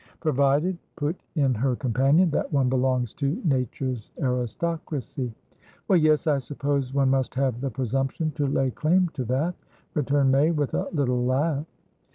"Provided," put in her companion, "that one belongs to nature's aristocracy." "WellyesI suppose one must have the presumption to lay claim to that," returned May, with a little laugh.